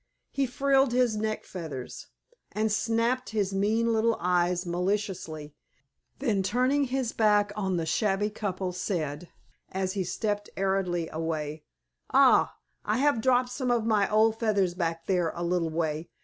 He frilled his neck feathers and snapped his mean little eyes maliciously; then turning his back on the shabby couple said, as he stepped airily away, "Ah, I have dropped some of my old feathers back there a little way.